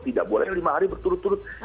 tidak boleh lima hari berturut turut